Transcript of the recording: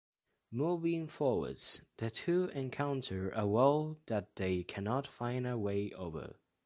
Moving forward, the two encounter a wall that they cannot find a way over.